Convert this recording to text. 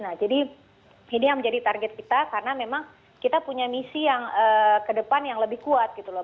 nah jadi ini yang menjadi target kita karena memang kita punya misi yang ke depan yang lebih kuat gitu loh